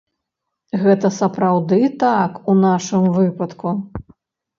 Гэта сапраўды так у нашым выпадку?